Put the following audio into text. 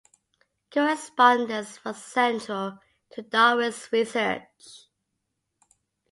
Correspondence was central to Darwin's research.